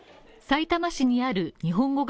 さいたま市にある日本語